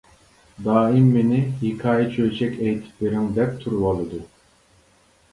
دائىم مېنى ھېكايە-چۆچەك ئېيتىپ بېرىڭ، دەپ تۇرۇۋالىدۇ.